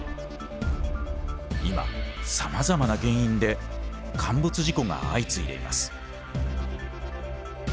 今さまざまな原因で陥没事故が相次いでいます。